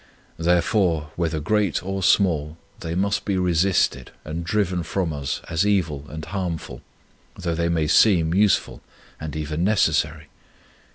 Therefore, whether great or small, they must be re sisted and driven from us as evil and harmful, though they may seem useful and even necessary.